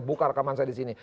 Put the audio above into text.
buka rekaman saya di sini